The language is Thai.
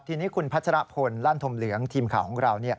ทีนี้คุณพัชรพลลั่นธมเหลืองทีมข่าวของเรา